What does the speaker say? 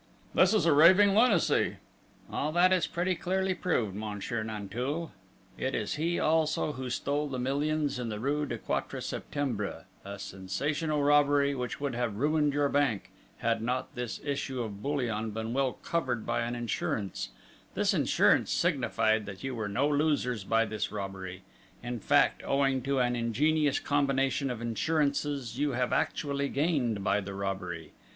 "This is raving lunacy!" "All that is pretty clearly proved, Monsieur Nanteuil!... It is he also who stole the millions in the rue du Quatre Septembre, a sensational robbery which would have ruined your bank, had not this issue of bullion been well covered by an insurance: this insurance signified that you were no losers by this robbery in fact, owing to an ingenious combination of insurances, you have actually gained by the robbery!